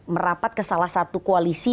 merapat ke salah satu koalisi